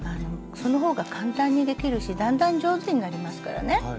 その方が簡単にできるしだんだん上手になりますからね。